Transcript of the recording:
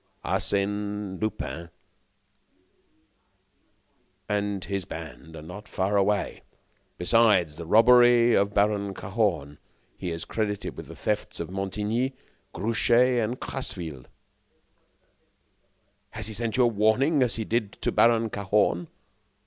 "Arsène Lupin and his band are not far away. Besides the robbery of the Baron Cahorn, he is credited with the thefts at Montigny, Gruchet and Crasville. And now it is my turn." "Has he sent you a warning, as he did to Baron Cahorn?"